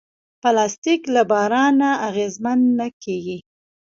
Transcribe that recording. پلاستيک له باران نه اغېزمن نه کېږي.